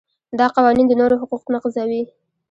دا قوانین د نورو حقوق نقضوي.